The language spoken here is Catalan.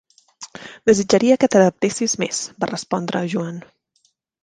Desitjaria que t'adaptessis més, va respondre Joan.